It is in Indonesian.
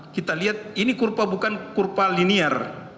kita lihat ini kurpa bukan kurpa linier